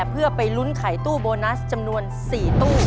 เพื่อไปลุ้นไขตู้โบนัสจำนวน๔ตู้